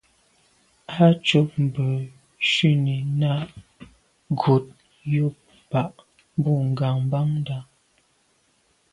Á cúp mbə̄ shúnī nâʼ kghút jùp bǎʼ bû ŋgámbándá.